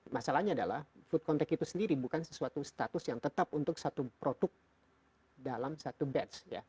masalahnya adalah food contact itu sendiri bukan sesuatu status yang tetap untuk satu produk dalam satu batch